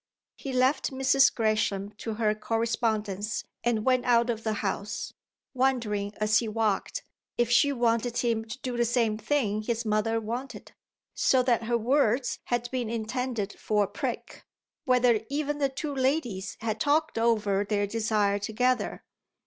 He left Mrs. Gresham to her correspondence and went out of the house; wondering as he walked if she wanted him to do the same thing his mother wanted, so that her words had been intended for a prick whether even the two ladies had talked over their desire together.